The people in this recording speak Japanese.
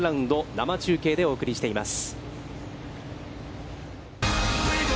生中継でお送りしています。